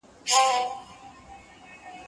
زه به سبا شګه پاکوم!.